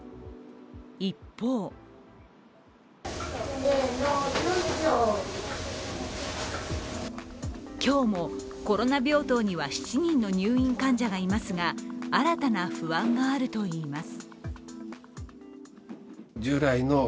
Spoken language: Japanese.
一方今日もコロナ病棟には７人の入院患者がいますが新たな不安があるといいます。